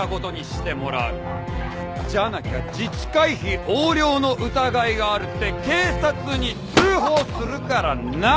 じゃなきゃ自治会費横領の疑いがあるって警察に通報するからな！